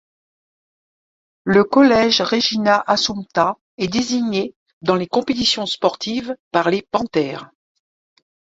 Le Collège Regina Assumpta est désigné, dans les compétitions sportives, par les Panthères.